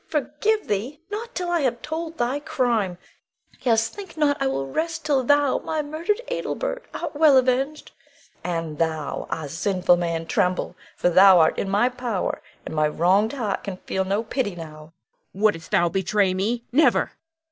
Forgive thee? Not till I have told thy crime. Yes, think not I will rest till thou, my murdered Adelbert, art well avenged. And thou! ah, sinful man, tremble, for thou art in my power, and my wronged heart can feel no pity now. Huon [fiercely]. Wouldst thou betray me? Never!